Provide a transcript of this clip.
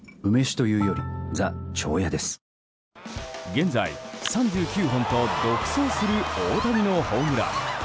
現在３９本と独走する大谷のホームラン。